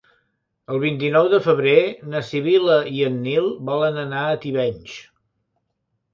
El vint-i-nou de febrer na Sibil·la i en Nil volen anar a Tivenys.